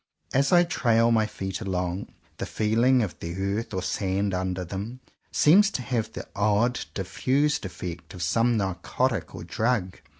As I trail my feet along, the feeling of the earth or sand under them seems to have the odd diffused effect of some narcotic or drug.